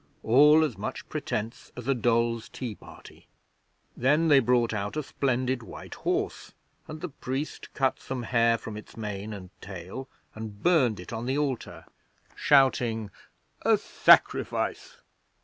All as much pretence as a dolls' tea party. Then they brought out a splendid white horse, and the priest cut some hair from its mane and tail and burned it on the altar, shouting, "A sacrifice!"